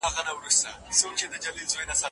ولسمشر د تابعیت قانون نه سختوي.